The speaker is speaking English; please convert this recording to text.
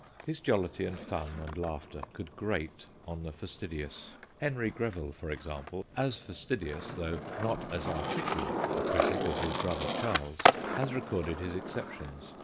His jollity and fun and laughter could grate on the fastidious. Henry 138 THE GHOSTS OF PICCADILLY Greville, for example, as fastidious, though not as articulate, a critic as his brother Charles, has recorded his exceptions.